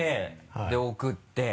で送って。